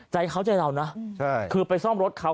ใจเขาใจเรานะคือไปซ่อมรถเขา